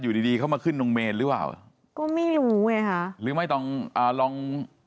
อยู่ดีดีเขามาขึ้นตรงเมนหรือเปล่าก็ไม่รู้ไงค่ะหรือไม่ต้องอ่าลอง